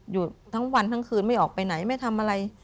อยู่ทั้งวันทั้งคืนไม่ออกไปไหนไม่ทำอะไร